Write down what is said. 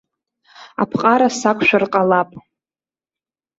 Аԥҟара сықәшәар ҟалап.